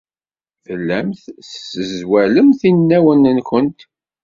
Tellamt tessezwalemt inawen-nwent.